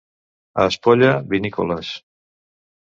A Espolla, vinícoles.